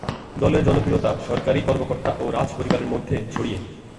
দলের জনপ্রিয়তা সরকারী কর্মকর্তা ও রাজপরিবারের মধ্যে ছড়িয়ে।